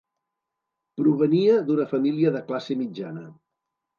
Provenia d'una família de classe mitjana.